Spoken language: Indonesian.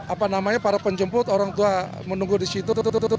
apa namanya para penjemput orang tua menunggu di situ